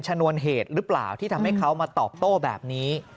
ชนวนเหตุหรือเปล่าที่ทำให้เขามาตอบโต้แบบนี้